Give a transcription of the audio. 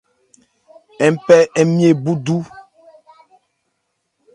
Ń phɛn ńmye búdú.